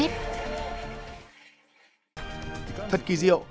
thật kỳ diệu